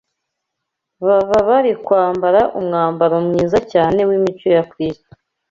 baba bari kwambara umwambaro mwiza cyane w’imico ya Kristo